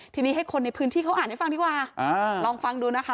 ทีนี้ให้คนในพื้นที่เขาอ่านให้ฟังดีกว่าอ่าลองฟังดูนะคะ